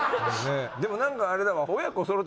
でもなんかあれだわ。